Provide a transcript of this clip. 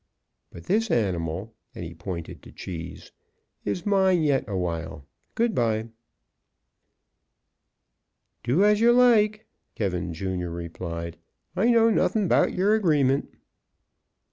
But this animal," and he pointed to Cheese, "is mine yet awhile. Good bye." "Do as you like," K , Jr., replied. "I know nothin' 'bout yer agreement."